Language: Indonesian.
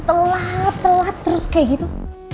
telat telat terus kayak gitu